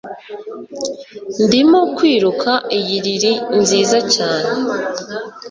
Ndimo kwiruka iyi lili nziza cyane